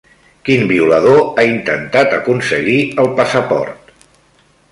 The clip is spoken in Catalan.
Quin violador ha intentat aconseguir el passaport?